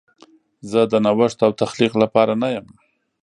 زه د نوښت او تخلیق لپاره نه یم.